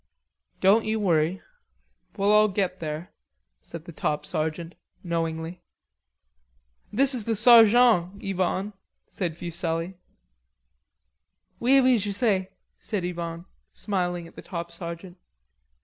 "Don't you worry. We'll all get there," said the top sergeant knowingly. "This is the sarjon, Yvonne," said Fuselli. "Oui, oui, je sais," said Yvonne, smiling at the top sergeant.